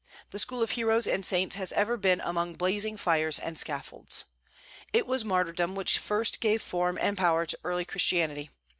The school of heroes and saints has ever been among blazing fires and scaffolds. It was martyrdom which first gave form and power to early Christianity.